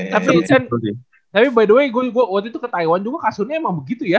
tapi by the way gue waktu itu ke taiwan juga kasurnya emang begitu ya